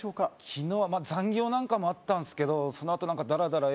昨日はまあ残業なんかもあったんすけどそのあと何かダラダラ